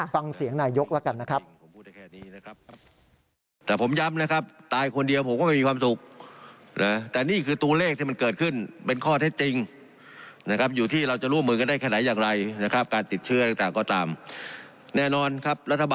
ฟังเสียงนายกแล้วกันนะครับ